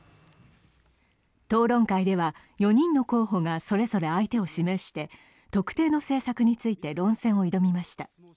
討論会では４人の候補がそれぞれ相手を指名して特定の政策について論戦を挑みました。